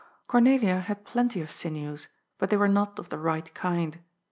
Cornelia had plenty of sinews, but they were not of the right kind.